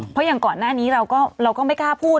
เพราะอย่างก่อนหน้านี้เราก็ไม่กล้าพูด